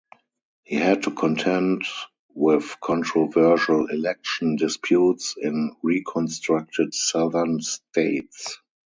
He had to contend with controversial election disputes in Reconstructed southern states.